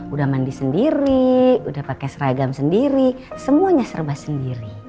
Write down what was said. udah mandi sendiri udah pakai seragam sendiri semuanya serba sendiri